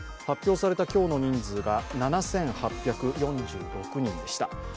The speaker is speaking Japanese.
発表された今日の人数が７８４６人でした。